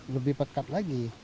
lebih pekat lagi